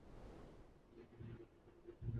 روایتی چھٹنی کی ترتیب